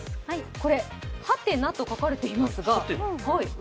これ「？」と書かれていますが。